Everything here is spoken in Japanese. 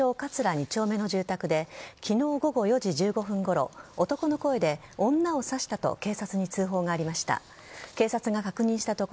２丁目の住宅で昨日午後４時１５分ごろ男の声で女を刺したと警察に通報がありました。